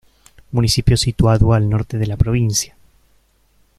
Municipio situando al norte de la provincia.